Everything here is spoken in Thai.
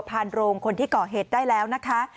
พานโรงคนที่ก่อเหตุได้แล้วนะคะ